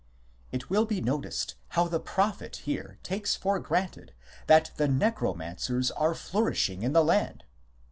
" It will be noticed how the prophet here takes for granted that the necro mancers are flourishing in the land.